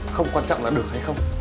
không quan trọng là được hay không